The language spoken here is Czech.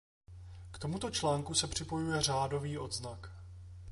K tomuto článku se připojuje řádový odznak.